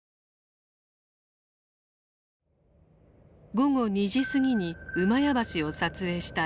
午後２時過ぎに厩橋を撮影した映像。